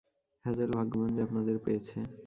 Hazel ভাগ্যবান যে আপনাদের পেয়েছে।